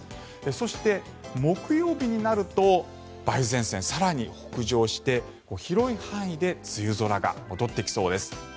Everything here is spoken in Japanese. そして、木曜日になると梅雨前線が更に北上して広い範囲で梅雨空が戻ってきそうです。